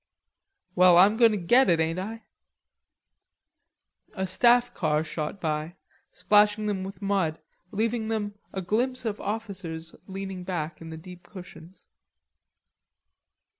"Well, I'm goin' to get it, ain't I?" A staff car shot by, splashing them with mud, leaving them a glimpse of officers leaning back in the deep cushions.